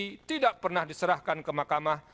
dan bukti yang tidak pernah diserahkan ke mahkamah